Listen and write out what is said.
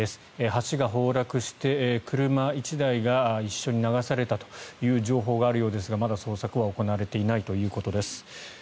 橋が崩落して車１台が一緒に流されたという情報があるようですがまだ捜索は行われていないということです。